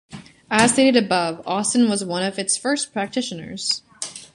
As stated above, Austen was one of its first practitioners.